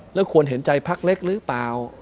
แล้วควรเห็นใจพักเล็กหรือเปล่า